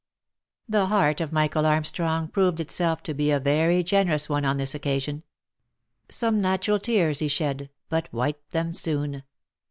The heart of Michael Armstrong proved itself to be a very generous one on this occasion. " Some natural tears he shed, but wiped them soon."